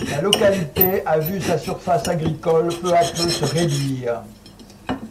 La localité a vu sa surface agricole peu à peu se réduire.